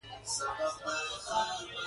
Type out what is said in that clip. موږ کولی شو خلکو ته د ویډیو ګیمونو لارې وښیو